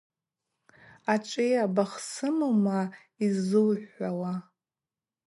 Ачӏвыйа, бахсымума йыззухӏвауа?